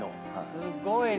すごいね。